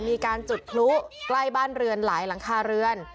มีการจุดพลุใกล้บ้านเรือนหลายหลังคาเรือน